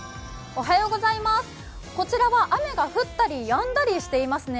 こちらは雨が降ったりやんだりしていますね。